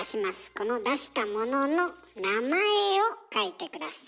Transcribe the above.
この出したものの名前を書いて下さい。